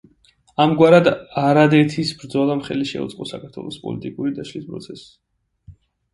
ამგვარად არადეთის ბრძოლამ ხელი შეუწყო საქართველოს პოლიტიკური დაშლის პროცესს.